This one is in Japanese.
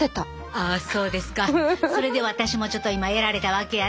それで私もちょっと今やられたわけやね。